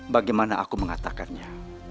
bagaimana aku mengatakannya